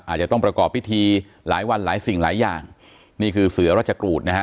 อาจจะต้องประกอบพิธีหลายวันหลายสิ่งหลายอย่างนี่คือเสือราชกรูดนะฮะ